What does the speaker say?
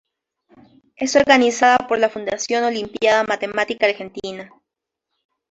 Es organizada por la Fundación Olimpíada Matemática Argentina.